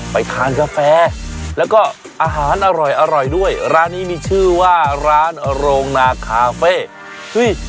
ไปทานกาแฟแล้วก็อาหารอร่อยอร่อยด้วยร้านนี้มีชื่อว่าร้านโรงนาคาเฟ่เฮ้ย